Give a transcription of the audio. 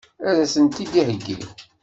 Ad as-tent-id-iheggi?